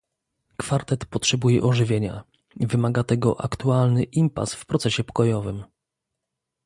Kwartet potrzebuje ożywienia - wymaga tego aktualny impas w procesie pokojowym